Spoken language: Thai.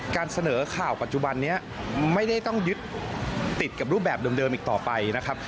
การเสนอข่าวปัจจุบันนี้ไม่ได้ต้องยึดติดกับรูปแบบเดิมอีกต่อไปนะครับ